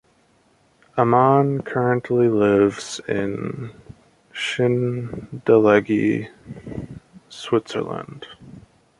Ammann currently lives in Schindellegi, Switzerland.